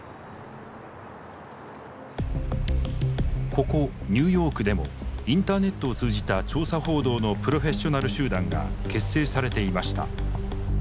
ここニューヨークでもインターネットを通じた調査報道のプロフェッショナル集団が結成されていました。